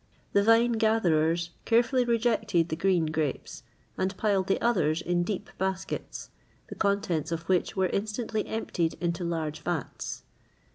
The vine gatherers carefully rejected the green grapes,[XXVIII 44] and piled the others in deep baskets,[XXVIII 45] the contents of which were instantly emptied into large vats.